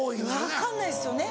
分かんないですよね。